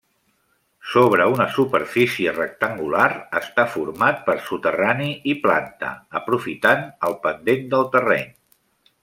Sobre una superfície rectangular, està format per soterrani i planta, aprofitant el pendent del terreny.